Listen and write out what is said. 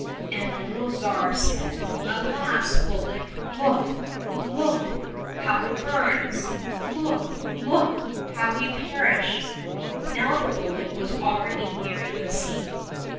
And the little Tsar said, " Alas ! bullock, look ! look ! how it burns. Look ! look ! how we perish." Now the bullock was already nearing the sea.